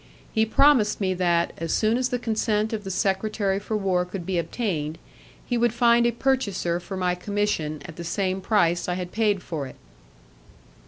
He promised me that, as soon as the consent of the secretary for war could be obtained, he would find a purchaser for my commission at the same price I had paid for it.